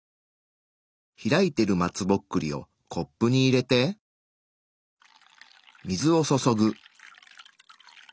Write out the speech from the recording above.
開いている松ぼっくりをコップに入れて水を注ぐ。